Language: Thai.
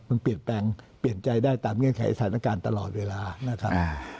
มันเปลี่ยนแปลงเปลี่ยนใจได้ตามเงื่อนไขสถานการณ์ตลอดเวลานะครับ